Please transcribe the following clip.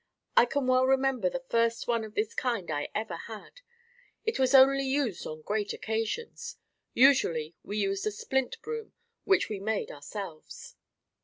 I can well remember the first one of this kind I ever had. It was only used on great occasions. Usually we used a splint broom which we made ourselves.